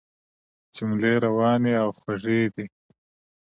جملې روانې او خوږې دي.